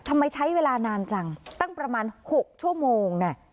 ทำไมใช้เวลานานจังตั้งประมาณ๖ชั่วโมงน่ะ